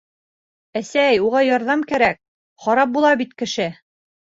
Әсәй, уға ярҙам кәрәк, харап була бит кеше!